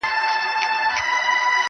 پاته له جهانه قافله به تر اسمانه وړم-